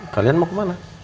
kalian mau kemana